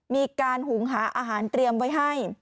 หุงหาอาหารเตรียมไว้ให้